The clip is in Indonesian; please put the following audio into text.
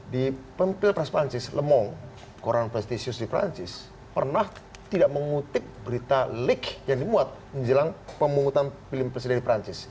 di pemimpin pres pancis lemong koran prestisius di prancis pernah tidak mengutip berita leak yang dimuat menjelang pemungutan pemimpin presidensi di prancis